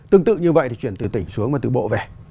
tương tự như vậy thì chuyển từ tỉnh xuống và từ bộ về